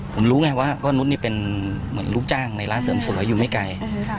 ผมรู้ไงว่านุฏนี่เป็นลูกจ้างในร้านเสริมสุรอยู่ไม่ไกล